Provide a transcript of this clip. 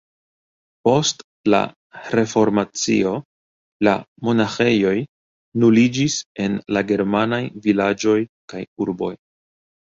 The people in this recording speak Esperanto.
Post la Reformacio la monaĥejoj nuliĝis en la germanaj vilaĝoj kaj urboj.